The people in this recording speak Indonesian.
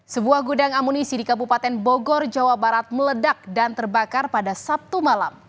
sebuah gudang amunisi di kabupaten bogor jawa barat meledak dan terbakar pada sabtu malam